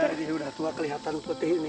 ini sudah tua kelihatan putih ini